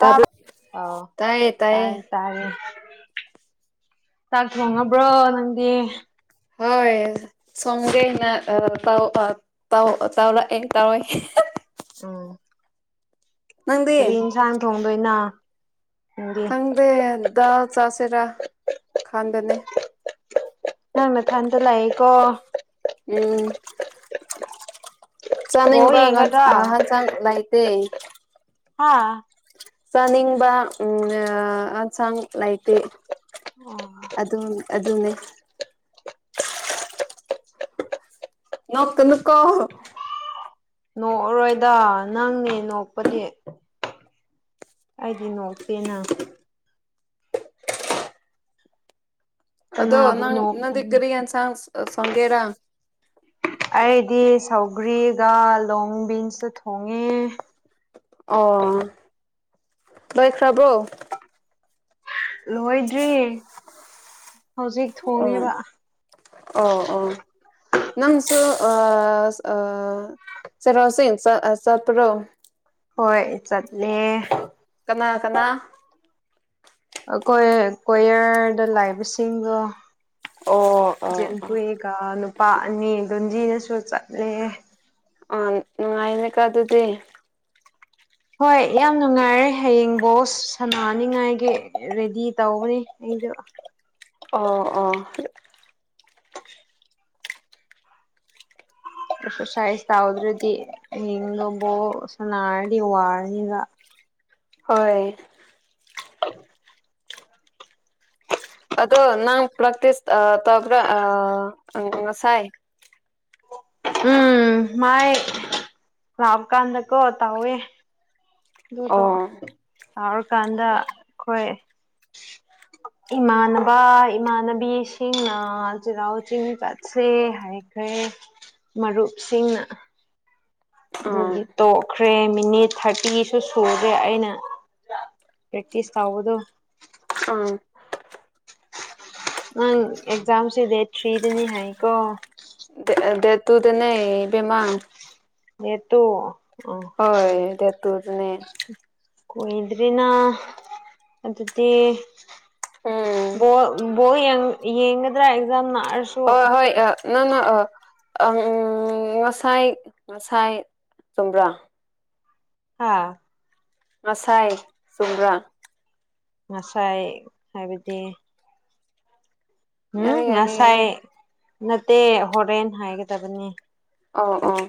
ꯇꯥꯕ꯭ꯔꯣ ꯑꯥꯎ ꯇꯥꯏꯌꯦ ꯇꯥꯏꯌꯦ ꯇꯥꯔꯦ ꯇꯥꯔꯦ ꯆꯥꯛ ꯊꯣꯡꯉꯕ꯭ꯔꯣ ꯅꯪꯗꯤ ꯍꯣꯏ ꯁꯣꯝꯒꯤꯅ ꯑ ꯇꯧ ꯑ ꯇꯧ ꯑ ꯇꯧꯔꯛꯑꯦ ꯇꯧꯏ ꯎꯝ ꯅꯪꯗꯤ ꯀꯔꯤ ꯏꯟꯁꯥꯡ ꯊꯣꯡꯗꯣꯏꯅꯣ ꯅꯪꯗꯤ ꯈꯪꯗꯦ ꯗꯥꯜ ꯆꯥꯁꯤꯔꯥ ꯈꯟꯗꯦꯅꯦ ꯅꯪ ꯅꯊꯟꯇꯥ ꯂꯩꯀꯣ ꯎꯝ ꯕꯣꯜ ꯆꯥꯅꯤꯡꯕꯒ ꯌꯦꯡꯒꯗ꯭ꯔꯥ [unintelligible] ꯆꯥꯛ ꯂꯩꯇꯦ ꯍꯥ ꯆꯥꯅꯤꯡꯕ ꯎꯝ ꯑꯟꯁꯥꯡ ꯂꯩꯇꯦ ꯑꯣ ꯑꯗꯨꯡ ꯑꯗꯨꯅꯤ ꯅꯣꯛꯀꯅꯨꯀꯣ ꯅꯣꯛꯑꯔꯣꯏꯗ ꯅꯪꯅꯤ ꯅꯣꯛꯄꯗꯤ ꯑꯩꯗꯤ ꯅꯣꯛꯇꯦꯅ ꯑꯗꯣ ꯀꯅꯥꯕꯨ ꯅꯪ ꯅꯪꯗꯤ ꯅꯣꯛꯀꯅꯤ ꯀꯔꯤ ꯑꯦꯟꯁꯥꯡ ꯁꯣꯟꯒꯦꯔꯥ ꯑꯩꯗꯤ ꯁꯧꯒ꯭ꯔꯤꯒ ꯂꯣꯡꯕꯤꯟꯁꯇꯣ ꯊꯣꯡꯉꯦ ꯑꯣ ꯂꯣꯏꯈ꯭ꯔꯥꯕꯣ ꯂꯣꯏꯗ꯭ꯔꯤ ꯍꯧꯖꯤꯛ ꯑꯣ ꯊꯣꯡꯉꯦꯕ ꯑꯣ ꯑꯣ ꯅꯪꯁꯨ ꯑꯥ ꯑꯥ ꯆꯔꯁ ꯌꯣꯡꯆ ꯆꯠꯄ꯭ꯔꯣ ꯍꯣꯏ ꯆꯠꯂꯦ ꯀꯅꯥ ꯀꯅꯥ ꯑꯩꯈꯣꯏ ꯀꯣꯌꯔꯗ ꯂꯩꯕꯁꯤꯡꯗꯣ ꯑꯣ ꯑꯣ ꯑꯣ ꯖꯤꯟꯐꯨꯏꯒ ꯅꯨꯄꯥ ꯑꯅꯤ ꯗꯨꯟꯖꯤꯅꯁꯨ ꯆꯠꯂꯦ ꯑꯥ ꯅꯨꯡꯉꯥꯏꯅꯦꯀꯣ ꯑꯗꯨꯗꯤ ꯍꯣꯏ ꯌꯥꯝ ꯅꯨꯡꯉꯥꯏꯔꯦ ꯍꯌꯦꯡ ꯕꯣꯁ ꯁꯥꯟꯅꯅꯤꯉꯥꯏꯒꯤ ꯔꯦꯗꯤ ꯇꯧꯕꯅꯦ ꯑꯩꯗꯣ ꯑꯣ ꯑꯣ [inaudible] ꯑꯦꯛꯁꯔꯁꯥꯏꯁ ꯇꯧꯗ꯭ꯔꯗꯤ ꯍꯌꯦꯡꯗꯣ ꯕꯣꯜ ꯁꯅꯥꯔꯗꯤ ꯋꯥꯔꯅꯤꯕ ꯍꯣꯏ [inaudible] ꯑꯗꯣ ꯅꯪ ꯄ꯭ꯔꯥꯛꯇꯤꯁ ꯇꯧꯕ꯭ꯔꯥ ꯑꯥ ꯉꯁꯥꯏ ꯎꯝ ꯃꯥꯏ ꯂꯥꯛꯄ ꯈꯥꯟꯗ ꯀꯣ ꯇꯧꯋꯦ ꯑꯗꯨꯗꯣ ꯑꯣ ꯌꯥꯎꯔꯀꯥꯟꯗ ꯑꯩꯈꯣꯏ ꯏꯃꯥꯟꯅꯕ ꯏꯃꯥꯟꯅꯕꯤꯁꯤꯡꯅ ꯆꯩꯔꯥꯎ ꯆꯤꯡ ꯆꯠꯁꯦ ꯍꯥꯏꯈ꯭ꯔꯦ ꯃꯔꯨꯞꯁꯤꯡꯅ ꯑꯥ ꯗꯨꯒꯤ ꯇꯣꯞ ꯈ꯭ꯔꯦ ꯃꯤꯅꯤꯠ ꯊꯥꯔꯇꯤꯁꯨ ꯁꯨꯨꯗꯔꯦ ꯑꯩꯅ ꯄ꯭ꯔꯦꯛꯇꯤꯁ ꯇꯧꯕꯗꯣ ꯎꯝ ꯅꯪ ꯑꯦꯛꯖꯥꯝꯁꯦ ꯗꯦꯠ ꯊ꯭ꯔꯤꯗꯅꯤ ꯍꯥꯏꯀꯣ ꯗꯦꯠ ꯇꯨꯗ ꯅꯦ ꯏꯕꯦꯝꯃ ꯗꯦꯠ ꯇꯨ ꯍꯣꯏ ꯗꯦꯠ ꯇꯨꯗꯅꯦ ꯀꯣꯏꯗ꯭ꯔꯤꯅ ꯑꯗꯨꯗꯤ ꯎꯝ ꯕꯣꯜ ꯕꯣꯜ ꯌꯦꯡꯒꯗ꯭ꯔꯥ ꯑꯦꯛꯖꯥꯝ ꯅꯛ ꯍꯣꯏ ꯍꯣꯏ ꯑꯥ ꯅꯪꯅ ꯑꯥ ꯉꯁꯥꯏ ꯉꯁꯥꯏ ꯆꯨꯝꯕ꯭ꯔꯥ ꯍꯥꯥ ꯉꯁꯥꯏ ꯆꯨꯝꯕ꯭ꯔꯥ ꯉꯁꯥꯏ ꯍꯥꯏꯕꯗꯤ ꯎꯝ ꯌꯥꯔꯦ ꯌꯥꯔꯦ ꯌꯥꯔꯦ ꯉꯁꯥꯏ ꯅꯠꯇꯦ ꯍꯣꯔꯦꯟ ꯍꯥꯏꯒꯗꯕꯅꯤ ꯑꯣ ꯑꯣ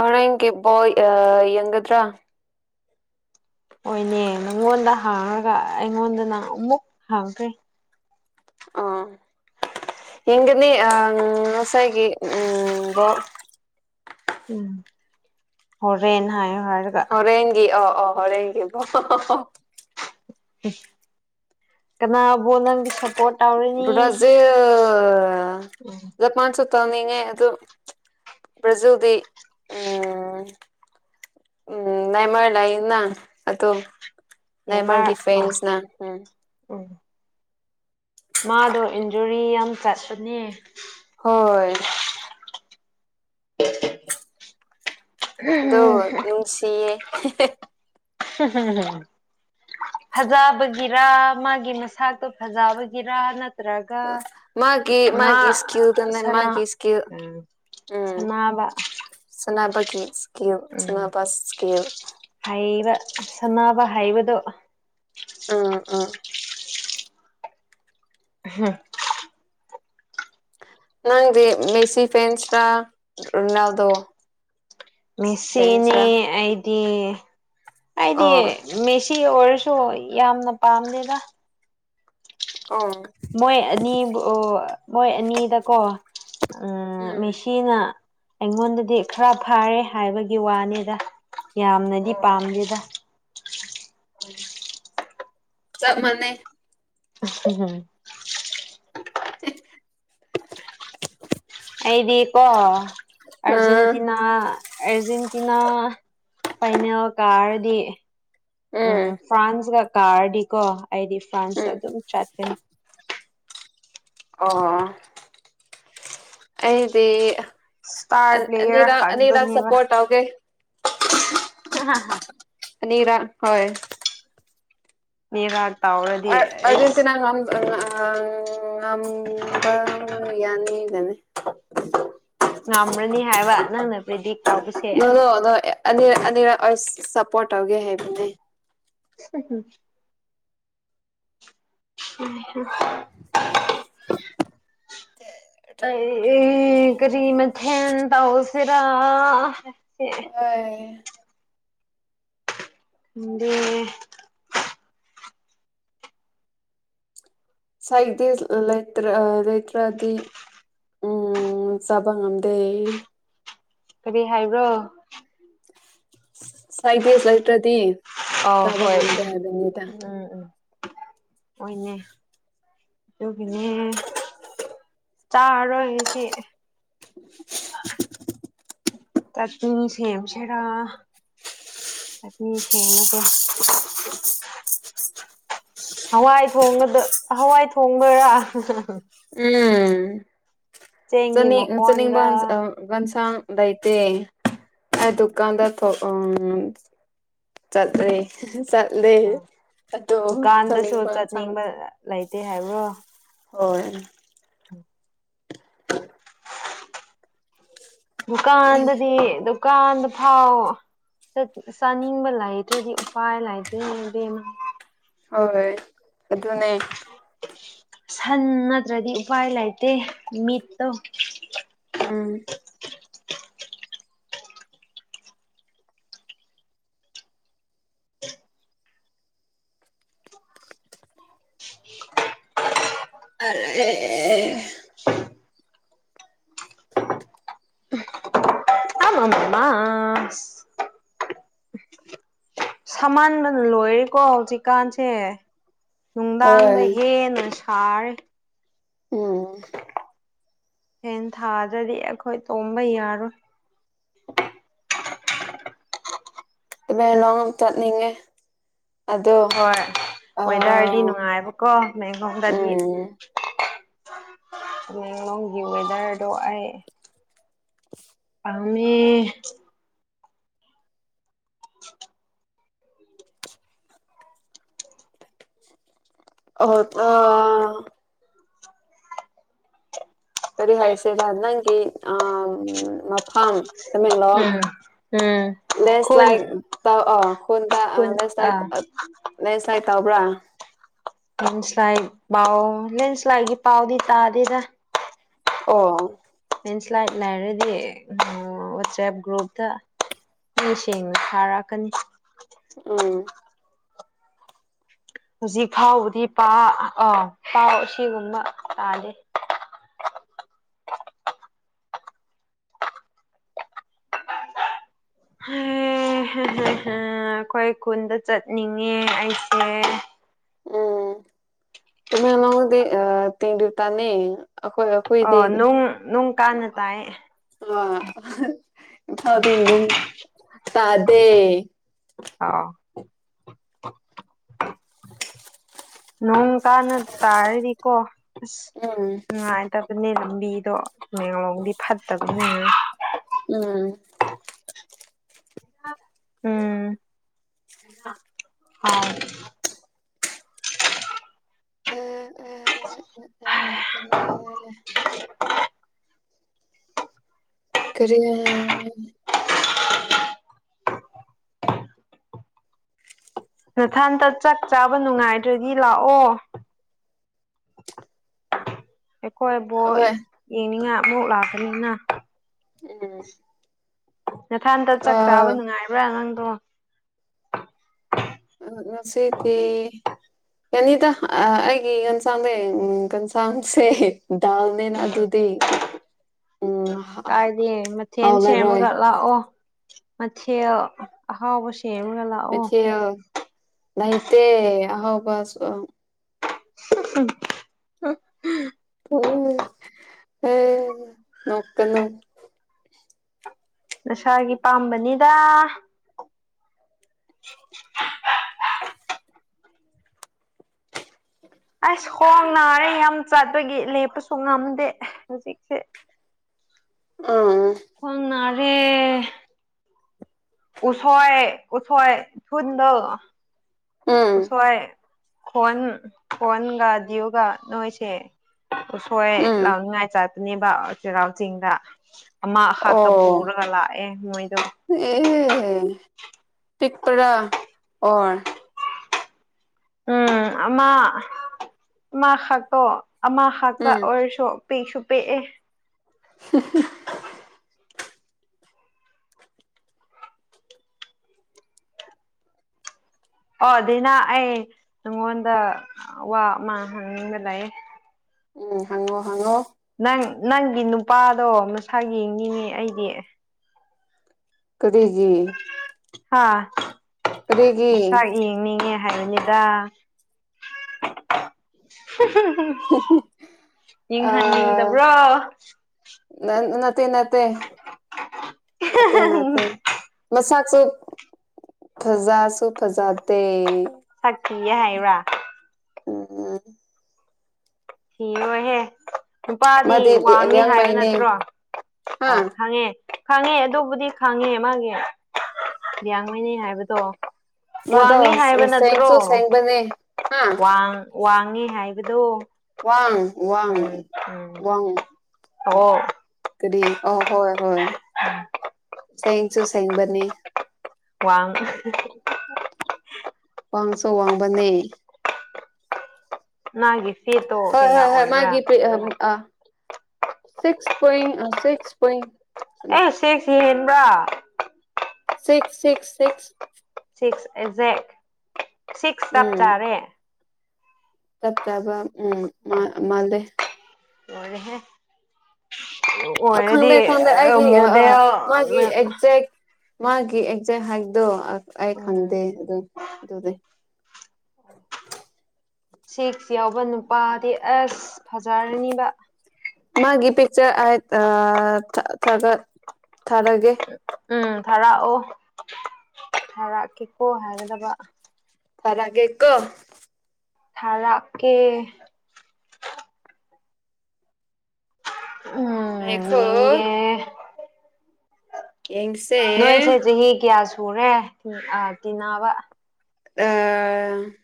ꯍꯣꯔꯦꯟꯒꯤ ꯕꯣꯜ ꯌꯦꯡꯒꯗ꯭ꯔꯥ ꯍꯣꯏꯅꯦ ꯅꯪꯉꯣꯟꯗ ꯍꯥꯡꯉꯒ ꯑꯩꯉꯣꯟꯗꯅ ꯑꯃꯨꯛ ꯍꯥꯡꯈ꯭ꯔꯦ ꯑꯣ ꯌꯦꯡꯒꯅꯤ ꯎꯝ ꯉꯁꯥꯏꯒꯤ ꯎꯝ ꯕꯣꯜ ꯎꯝ ꯍꯣꯔꯦꯟ ꯍꯥꯏꯌꯦ ꯍꯥꯏꯔꯒ ꯍꯣꯔꯦꯟꯒꯤ ꯑꯣ ꯑꯣ ꯍꯣꯔꯦꯟꯒꯤ ꯀꯅꯥꯕꯨ ꯅꯪ [inaudible] ꯕ꯭ꯔꯖꯤꯜ ꯃꯥꯥꯟꯁꯨ ꯇꯧꯅꯤꯡꯉꯦ ꯑꯗꯨ ꯕ꯭ꯔꯖꯤꯜꯗꯤ ꯎꯝ ꯎꯝ ꯃꯦꯏꯃꯥꯔ ꯂꯩꯌꯦꯅ ꯑꯗꯣ ꯅꯦꯃꯥꯔ ꯅꯦꯏꯃꯥꯔꯒꯤ ꯑ ꯐꯦꯟꯁꯅ ꯎꯝ ꯎꯝ ꯃꯥꯗꯣ ꯏꯟꯖꯨꯔꯤ ꯌꯥꯝ ꯆꯥꯁꯠꯅꯤ ꯍꯣꯏ ꯑꯗꯣ ꯅꯨꯡꯁꯤꯌꯦ [unintelligible] ꯐꯖꯕꯒꯤꯔ ꯃꯥꯒꯤ ꯃꯁꯛꯇꯣ ꯐꯖꯕꯒꯤꯔ ꯅꯠ ꯇ꯭ꯔꯒ ꯃꯥꯒꯤ ꯃꯥ ꯃꯥꯒꯤ ꯏꯁꯀꯤꯜꯗꯨꯅꯦ ꯁꯥꯟꯅ ꯃꯥꯒꯤ ꯏꯁꯀꯤꯜ ꯎꯝ ꯁꯥꯟꯅꯕ ꯁꯥꯟꯅꯕꯒꯤ ꯁ꯭ꯀꯤꯜ ꯁꯥꯟꯅꯕ ꯁ꯭ꯀꯤꯜ ꯍꯩꯕ ꯁꯥꯟꯅꯕ ꯍꯩꯕꯗꯣ [unintelligible] ꯑꯥ [unintelligible] ꯅꯪꯗꯤ ꯃꯦꯁꯤ ꯐꯦꯟꯁꯔꯥ ꯔꯣꯅꯥꯜꯗꯣ ꯃꯦꯁꯤꯅꯤ ꯐꯦꯟꯁꯔꯥ ꯑꯩꯗꯤ ꯑꯩꯗꯤ ꯑꯣ ꯃꯦꯁꯤ ꯑꯣꯏꯔꯁꯨ ꯌꯥꯝꯅ ꯄꯥꯝꯗꯦꯗ [unintelligible] ꯃꯣꯏ ꯑꯅꯤꯕꯨ ꯃꯣꯏ ꯑꯅꯤꯗꯀꯣ ꯎꯝ ꯃꯦꯁꯤꯅ ꯑꯩꯉꯣꯟꯗꯗꯤ ꯈꯔ ꯐꯥꯔꯦ ꯍꯥꯏꯕꯒꯤ ꯋꯥꯅꯤꯗ ꯌꯥꯝꯅꯗꯤ ꯑꯣ ꯑꯣ ꯄꯥꯝꯗꯦꯗ ꯆꯞ ꯃꯥꯟꯅꯩ [unintelligible] ꯑꯩꯗꯤ ꯀꯣ ꯎꯝ ꯑꯔꯖꯦꯟꯇꯤꯅꯥ ꯑ ꯑꯔꯖꯦꯟꯇꯤꯅꯥ ꯐꯥꯏꯅꯦꯜ ꯀꯥꯔꯗꯤ ꯎꯝ ꯐ꯭ꯔꯥꯟꯁꯀ ꯀꯥꯔꯗꯤꯀꯣ ꯑꯩꯗꯤ ꯐ꯭ꯔꯥꯟꯁꯇ ꯎꯝ ꯑꯗꯨꯝ ꯆꯠꯀꯅꯤ ꯑꯣ ꯑꯩꯗꯤ ꯏꯁꯇꯥꯔ ꯄ꯭ꯂꯦꯌꯔ ꯑꯅꯤꯔꯛ ꯑꯅꯤꯔꯛ ꯈꯛꯇꯅꯦꯕ ꯁꯄꯣꯔꯠ ꯇꯧꯒꯦ [unintelligible] ꯑꯅꯤꯔꯛ ꯍꯣꯏ [unintelligible] ꯑꯔ ꯑꯩꯁ ꯑꯔꯖꯦꯟꯇꯤꯅꯥ ꯉꯝ [unintelligible] ꯉꯝꯕ ꯌꯥꯅꯤꯗꯅꯤ ꯉꯝꯔꯅꯤ ꯍꯥꯏꯕ ꯅꯪꯅ ꯄ꯭ꯔꯤꯗꯤꯛ ꯇꯧꯕꯁꯦ [unintelligible] ꯑꯅꯤꯔꯛ ꯑꯅꯤꯔꯛ ꯑꯩ ꯁꯞꯄꯣꯔꯠ ꯇꯧꯒꯦ ꯍꯥꯏꯕꯅꯦ [inaudible] ꯎꯝ [unintelligible] ꯑꯩ ꯀ꯭ꯔꯤ ꯃꯊꯦꯟ ꯇꯧꯁꯤꯔꯥ [inaudible] ꯍꯥꯏ [inaudible] ꯁꯥꯏꯇꯤꯁ ꯂꯩꯇ꯭ꯔ ꯑ ꯂꯩꯇ꯭ꯔꯗꯤ ꯎꯝ ꯆꯥꯕ ꯉꯝꯗꯦ ꯀꯔꯤ ꯍꯥꯏꯕ꯭ꯔꯣ [unintelligible] [unintelligible] ꯂꯩꯇ꯭ꯔꯗꯤ ꯑ ꯆꯥꯕ ꯍꯣꯏ ꯉꯝꯗꯦ ꯍꯥꯏꯕꯅꯤꯗ ꯎꯝ ꯎꯝ ꯍꯣꯢꯅꯦ ꯑꯗꯨꯒꯤꯅꯦ ꯆꯥꯔꯔꯣꯏꯁꯤ [inaudible] ꯆꯥꯛꯅꯤ ꯁꯦꯝꯁꯤꯔꯥ ꯆꯥꯛꯅꯤ ꯁꯦꯝꯃꯒꯦ ꯍꯋꯥꯏ ꯊꯣꯡꯕꯗ ꯍꯋꯥꯏ ꯊꯣꯡꯗꯣꯏꯔꯥ ꯎꯝ ꯆꯦꯡꯒꯤ ꯆꯥꯅꯤꯡ ꯆꯥꯅꯤꯡꯕ ꯃꯈꯣꯟꯔꯥ ꯌꯦꯟꯁꯥꯡ ꯂꯩꯇꯦ ꯑꯗꯨꯀꯥꯟꯗ ꯎꯝ ꯆꯠꯂꯦ ꯆꯠꯂꯦ ꯑꯗꯣ ꯗꯨꯀꯥꯟꯗꯁꯨ ꯆꯥꯅꯤꯡꯕ ꯌꯦꯟꯁꯥꯡ ꯆꯠꯅꯤꯡꯕ ꯂꯩꯇꯦ ꯍꯥꯏꯕ꯭ꯔꯣ ꯍꯣꯏ ꯎꯝ [inaudible] ꯗꯨꯀꯥꯟꯗꯗꯤ ꯗꯨꯀꯥꯟꯗ ꯐꯥꯎ ꯆꯥꯅꯤꯡꯕ ꯂꯩꯇ꯭ꯔꯗꯤ ꯎꯄꯥꯏ ꯂꯩꯇꯦ ꯢꯕꯦꯝꯃ ꯍꯣꯏ ꯑꯗꯨꯅꯦ ꯁꯥꯟ ꯅꯠꯇ꯭ꯔꯗꯤ ꯎꯄꯥꯏ ꯂꯩꯇꯦ ꯃꯤꯠꯇꯣ ꯎꯝ ꯑ [unintelligible] ꯑꯃ ꯃꯃ [unintelligible] ꯁꯝꯍꯟꯕꯅ ꯂꯣꯏꯔꯀꯣ ꯍꯧꯖꯤꯛꯀꯥꯟꯁꯦ ꯍꯣꯏ ꯅꯨꯡꯗꯥꯡꯗ ꯍꯦꯟꯅ ꯁꯥꯔꯦ ꯎꯝ ꯐꯦꯟ ꯊꯥꯗ꯭ꯔꯗꯤ ꯑꯩꯈꯣꯏ ꯇꯨꯝꯕ ꯌꯥꯔꯣꯏ ꯇꯥꯃꯦꯡꯂꯣꯡ ꯆꯠꯅꯤꯡꯉꯦ ꯑꯗꯣ ꯍꯣꯏ ꯑ ꯋꯦꯗ꯭ꯔꯗꯤ ꯅꯨꯡꯉꯥꯏꯕꯀꯣ ꯇꯥꯃꯦꯟꯂꯣꯡꯗꯗꯤ ꯎꯝ ꯇꯥꯃꯦꯟꯂꯣꯡꯒꯤ ꯋꯦꯗꯔꯗꯣ ꯑꯩ ꯄꯥꯝꯃꯦ [inaudible] ꯑꯣ ꯑ ꯀꯔꯤ ꯍꯥꯏꯁꯤꯔꯥ ꯅꯪꯒꯤ ꯑ ꯅꯪꯒꯤ ꯃꯐꯝ ꯇꯥꯃꯦꯟꯂꯣꯡ ꯎꯝ ꯎꯝ ꯈꯨꯟ ꯂꯦꯟꯁ꯭ꯂꯥꯏꯠ ꯇꯧ ꯈꯨꯟꯗ ꯈꯨꯟ ꯂꯦꯟꯁ꯭ꯂꯥꯏꯠ ꯑꯥ ꯂꯦꯟꯁ꯭ꯂꯥꯏꯠ ꯇꯧꯕ꯭ꯔꯥ ꯂꯦꯟꯁ꯭ꯂꯥꯏꯠ ꯄꯥꯎ ꯂꯦꯟꯁ꯭ꯂꯥꯏꯠꯀꯤ ꯄꯥꯎꯗꯤ ꯇꯥꯗꯦꯗ ꯑꯣ ꯂꯦꯟꯁ꯭ꯂꯥꯏꯠ ꯂꯩꯔꯗꯤ ꯋꯥꯆꯦꯞ ꯒ꯭ꯔꯨꯞꯇ ꯃꯤ ꯁꯤꯡꯅ ꯊꯥꯔꯛꯀꯅꯤ ꯑꯝ ꯍꯧꯖꯤꯛ ꯐꯥꯎꯕꯗꯤ ꯄꯥꯎ ꯑꯥ ꯄꯥꯎ ꯑꯁꯤꯒꯨꯝꯕ ꯇꯥꯗꯦ ꯑꯩꯈꯣꯏ ꯈꯨꯨꯟꯗ ꯆꯠꯅꯤꯡꯉꯦ ꯑꯩꯁꯦ ꯎꯝ ꯇꯥꯃꯦꯟꯂꯣꯡꯗꯗꯤ [unintelligible] ꯑꯩꯈꯣꯏ ꯑꯩꯈꯣꯏꯗꯤ ꯑꯣ ꯅꯣꯡ ꯅꯣꯡ ꯀꯥꯟꯅ ꯇꯥꯏ ꯑꯃ ꯏꯝꯐꯥꯜꯗꯤ ꯅꯨꯡ ꯇꯥꯗꯦ ꯑꯥꯎ ꯅꯣꯡ ꯀꯥꯟꯅ ꯇꯥꯔꯗꯤꯀꯣ ꯑꯁ ꯎꯝ ꯅꯨꯡꯉꯥꯏ ꯐꯠꯇꯕꯅꯦ ꯂꯝꯕꯤꯗꯣ ꯃꯦꯔꯣꯡꯗꯤ ꯐꯠꯇꯕꯅꯦ ꯎꯝ [unintelligible] ꯎꯝ ꯀꯌꯥ ꯐꯥꯏꯚ ꯑ [unintelligible] ꯑꯣ ꯍꯜꯂꯦ ꯀꯔꯤꯅꯣꯍꯥ ꯅꯊꯥꯟꯇ ꯆꯥꯛ ꯆꯥꯕ ꯅꯨꯡꯉꯥꯏꯇ꯭ꯔꯗꯤ ꯂꯥꯛꯑꯣ ꯑꯩꯈꯣꯏꯕꯨ ꯍꯣꯏ ꯌꯦꯡꯅꯤꯡꯉꯥꯏ ꯑꯃꯨꯛ ꯂꯥꯛꯄꯅꯤꯅ ꯎꯝ ꯅꯊꯥꯟꯇ ꯆꯥꯛ ꯆꯥꯕ ꯑꯥ ꯅꯨꯡꯉꯥꯏꯕ꯭ꯔꯥ ꯅꯪꯗꯣ ꯑ ꯉꯁꯤꯗꯤ ꯌꯥꯅꯤꯗ ꯑꯩꯒꯤ ꯌꯦꯟꯁꯥꯡꯗꯩ ꯎꯪ ꯒꯟꯁꯥꯡꯁꯦ ꯗꯥꯜꯅꯦꯅ ꯎꯝ ꯑꯗꯨꯗꯤ ꯎꯝ ꯍꯥ- ꯍꯥ- ꯀꯥꯏꯗꯦ ꯃꯊꯦꯜ ꯍꯥꯎꯂꯔꯣꯏ ꯁꯦꯝꯃꯒ ꯂꯥꯛꯑꯣ ꯃꯊꯦꯜ ꯑꯍꯥꯎꯕ ꯁꯦ ꯑꯦꯝꯔꯒ ꯂꯥꯛ ꯃꯊꯦꯜ ꯂꯩꯇꯦ ꯑꯍꯥꯎꯕꯁꯨ [unintelligible] ꯅꯣꯛꯅꯤꯡꯉꯦ ꯑꯦ ꯅꯣꯛꯀꯅꯣ ꯅꯁꯥꯒꯤ ꯄꯥꯝꯕꯅꯤꯗ [unintelligible] ꯑꯁ ꯍꯣꯡ ꯅꯥꯔꯦ ꯌꯥꯝ ꯆꯥꯠꯄꯒꯤ ꯂꯦꯞꯄꯁꯨ ꯉꯝꯗꯦ ꯍꯧꯖꯤꯛꯁꯦ ꯑꯥ ꯈ꯭ꯋꯥꯡ ꯅꯥꯔꯦ ꯎꯁꯣꯏ ꯎꯁꯣꯏ ꯐꯨꯟꯗꯣ ꯎꯝ ꯎꯁꯣꯏ ꯈꯣꯟ ꯈꯣꯟꯒ ꯗꯤꯌꯨꯒ ꯅꯣꯏꯁꯦ ꯎꯁꯣꯏ ꯎꯝ ꯂꯥꯎꯅꯤꯉꯥꯏ ꯆꯥꯠꯅꯦꯕ ꯆꯩꯔꯥꯎ ꯆꯤꯡꯗ ꯑꯃꯍꯥꯛꯇ ꯑꯣ ꯄꯨꯔꯒ ꯂꯥꯛꯑꯦ ꯃꯣꯏꯗꯣ ꯑꯦ ꯄꯤꯛꯄꯔꯥ ꯑꯣꯏ ꯎꯝ ꯑꯃ ꯑꯃ ꯍꯛꯇꯣ ꯑꯃ ꯍꯛꯇ ꯎꯝ ꯑꯣꯏꯔꯁꯨ ꯄꯤꯁꯨ ꯄꯤꯛꯑꯦ [unintelligible] ꯑꯣ ꯑꯗꯨꯅ ꯑꯩ ꯅꯪꯉꯣꯟꯗ ꯋꯥ ꯑꯃ ꯍꯪꯅꯤꯡꯕ ꯂꯩꯌꯦ ꯎꯝ ꯍꯪꯉꯣ ꯍꯪꯉꯣ ꯅꯪ ꯅꯪꯒꯤ ꯅꯨꯄꯥꯗꯣ ꯃꯁꯥꯛ ꯌꯦꯡꯅꯤꯡꯉꯦ ꯑꯩꯗꯤ ꯀꯔꯤꯒꯤ ꯍꯥ ꯀꯔꯤꯒꯤ ꯃꯁꯥꯛ ꯌꯦꯡꯅꯤꯡꯉꯦ ꯍꯥꯏꯕꯅꯦ ꯗ ꯌꯦꯡꯍꯟꯅꯤꯡꯗꯕ꯭ꯔꯣ ꯅ ꯅꯠꯇꯦ ꯅꯠꯇꯦ ꯅꯥꯠꯇꯦ ꯅꯥꯠꯇꯦ ꯃꯁꯥꯛꯁꯨ ꯐꯖꯁꯨ ꯐꯖꯗꯦ ꯁꯛ ꯊꯤꯌꯦ ꯍꯥꯏꯕ꯭ꯔꯥ ꯎꯝ ꯁꯤ ꯔꯣꯏꯍꯦ ꯅꯨꯄꯥꯗꯤ ꯃꯥꯗꯤ ꯋꯥꯡꯉꯦ ꯍꯥꯏꯕ ꯂꯤꯌꯥꯡꯃꯩꯅꯦ ꯅꯠꯇ꯭ꯔꯣ ꯍꯥ ꯑꯣ ꯈꯪꯉꯦ ꯈꯥꯡꯉꯦ ꯑꯗꯨꯕꯨꯗꯤ ꯈꯥꯡꯉꯦ ꯃꯥꯒꯤ ꯌꯥꯡꯃꯤꯅꯤ ꯍꯥꯏꯕꯗꯣ ꯃꯥꯗꯣ ꯋꯥꯡꯉꯤ ꯍꯥꯏꯕ ꯅꯠꯇ꯭ꯔꯣ ꯁꯦꯡꯁꯨ ꯁꯦꯡꯕꯅꯦ ꯍꯥ ꯋꯥꯡ ꯋꯥꯡꯉꯦ ꯍꯥꯏꯕꯗꯣ ꯋꯥꯡ ꯋꯥꯡ ꯎꯝ ꯎꯝ ꯋꯥꯉ ꯑꯣ ꯀꯔꯤ ꯑ ꯍꯣꯏ ꯍꯣꯏ ꯁꯦꯡꯁꯨ ꯁꯦꯛꯕꯅꯤ ꯋꯥꯡ ꯋꯥꯡ ꯁꯨ ꯋꯥꯡꯕꯅꯦ ꯅꯥꯒꯤ ꯍꯣꯏ ꯍꯣꯏ ꯍꯣꯏ ꯃꯥꯒꯤ ꯄꯤ ꯑꯝ ꯑ ꯁꯤꯁ ꯄꯣꯏꯟ ꯑ ꯁꯤꯁ ꯄꯣꯏꯟ ꯑꯦ ꯆꯦꯛꯁꯤ ꯍꯦꯟꯕ꯭ꯔꯥ ꯁꯤꯛꯁ ꯁꯤꯛꯁ ꯁꯤꯛꯁ ꯁꯤꯛꯁ ꯑꯦꯖꯦꯛ ꯁꯤꯛꯁ ꯆꯞ ꯎꯝ ꯆꯥꯔꯦ ꯆꯞ ꯆꯥꯕ ꯎꯝ ꯃꯥ ꯃꯥꯜꯂꯦ ꯂꯣꯏꯔꯦꯍꯦ ꯑ ꯗꯨ ꯑꯣꯏꯔꯗꯤ ꯈꯪꯗꯦ ꯈꯪꯗꯦ ꯑ ꯑꯩꯒꯤ ꯃꯣꯗꯦꯜ ꯃꯥꯒꯤ ꯃꯦꯟ ꯑꯦꯛꯖꯦꯛ ꯃꯥꯒꯤ ꯑꯦꯛꯖꯦꯛ ꯍꯥꯏꯗꯣ ꯑꯩ ꯎꯝ ꯈꯪꯗꯦ ꯑꯗꯨ ꯑꯗꯨꯗꯤ ꯁꯤꯛꯁ ꯌꯥꯎꯕ ꯅꯨꯄꯥꯗꯤ ꯑꯦꯁ ꯐꯖꯔꯅꯤꯕ ꯃꯥꯒꯤ ꯄꯤꯛꯆꯔꯠ ꯑ ꯊꯥꯒꯠ ꯊꯥꯔꯛꯒꯦ ꯎꯝ ꯊꯥꯔꯛꯑꯣ ꯊꯥꯔꯛꯀꯦꯀꯣ ꯍꯥꯏꯒꯗꯕ ꯊꯥꯔꯛꯒꯦꯀꯣ ꯊꯥꯔꯛꯀꯦ ꯎꯝ ꯉꯥꯏꯈꯣ ꯌꯦꯡꯒꯦ ꯌꯦꯡꯁꯦ ꯅꯣꯏꯁꯦ ꯆꯍꯤ ꯀꯌꯥ ꯁꯨꯔꯦ ꯎꯝ ꯑ ꯇꯤꯟꯅꯕ ꯑ